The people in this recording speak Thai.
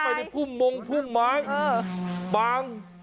แบบนี้คือแบบนี้คือแบบนี้คือแบบนี้คือ